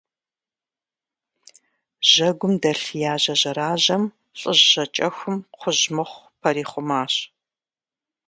Жьэгум дэлъ яжьэ жьэражьэм лӏыжь жьакӏэхум кхъужь мыхъу пэрихъумащ.